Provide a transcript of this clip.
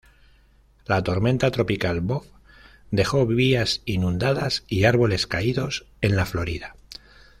La tormenta tropical Bob dejó vías inundadas y árboles caídos en la Florida.